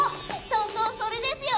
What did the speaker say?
そうそうそれですよ！